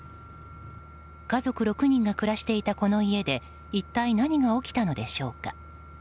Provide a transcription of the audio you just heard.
家族６人が暮らしていたこの家で一体何が起きたのでしょうか。